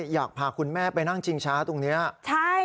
อยากพาคุณแม่ไปนั่งชิงช้าตรงนี้ใช่